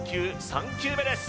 ３球目です